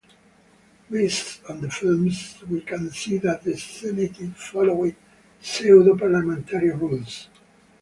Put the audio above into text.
Based on the films, we can see that the Senate followed pseudo-parliamentary rules.